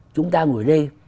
chúng ta ngồi đây